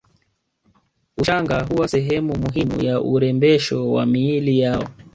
Ushanga huwa sehemu muhimu ya urembesho wa miili yao